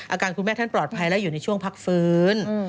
อาการคุณแม่ท่านปลอดภัยและอยู่ในช่วงพักฟื้น